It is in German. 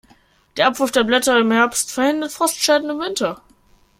Der Abwurf der Blätter im Herbst verhindert Frostschäden im Winter.